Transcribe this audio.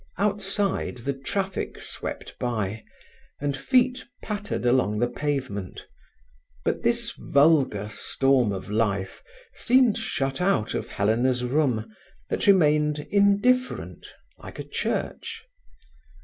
Outside, the traffic swept by, and feet pattered along the pavement. But this vulgar storm of life seemed shut out of Helena's room, that remained indifferent, like a church.